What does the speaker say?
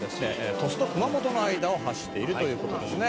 鳥栖と熊本の間を走っているという事ですね」